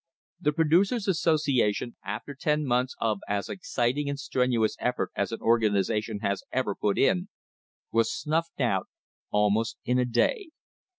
The Producers' Association, after ten months of as exciting and strenuous effort as an organisation has ever put in, was snuffed out almost in a day.